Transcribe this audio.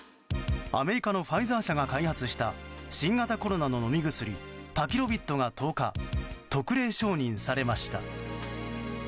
アメリカのファイザー社が開発した新型コロナの飲み薬パキロビッドが１０日特例承認されました。